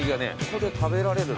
ここで食べられる。